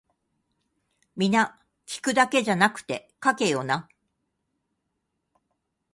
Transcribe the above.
皆聞くだけじゃなくて書けよな